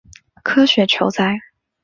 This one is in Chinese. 科学酬载